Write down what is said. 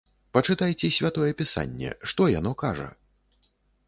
Пачытайце святое пісанне, што яно кажа?